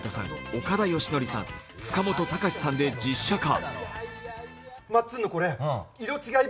岡田義徳さん、塚本高史さんで実写化。